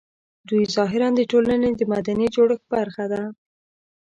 دوی ظاهراً د ټولنې د مدني جوړښت برخه ده